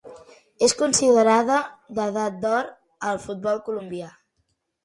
És considerada d'edat d'or del futbol colombià.